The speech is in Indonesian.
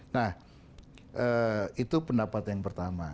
nah itu pendapat yang pertama